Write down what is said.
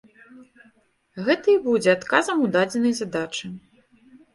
Гэта і будзе адказам у дадзенай задачы.